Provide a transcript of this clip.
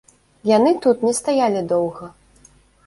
Яны тут не стаялі доўга.